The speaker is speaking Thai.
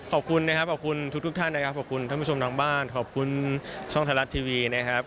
ขอบคุณนะครับขอบคุณทุกท่านนะครับขอบคุณท่านผู้ชมทางบ้านขอบคุณช่องไทยรัฐทีวีนะครับ